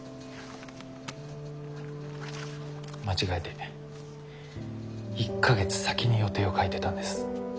間違えて１か月先に予定を書いてたんです。